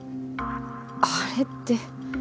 あれって。